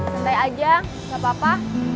santai aja gak apa apa